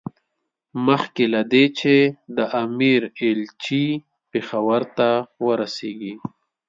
مخکې له دې چې د امیر ایلچي پېښور ته ورسېږي.